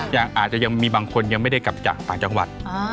อาจจะยังมีบางคนยังไม่ได้กลับจากต่างจังหวัด